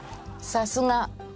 さすが！